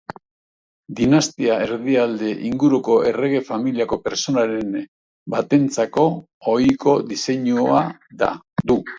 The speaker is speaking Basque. Dinastia erdialde inguruko errege familiako pertsonaren batentzako ohiko diseinua du.